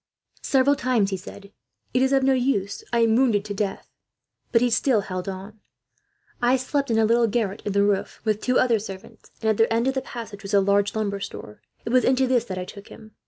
Several times he said: "It is of no use; I am wounded to death!" but he still held on. "'I slept in a little garret in the roof, with two other servants, and at the end of the passage was a large lumber store. It was into this that I took him.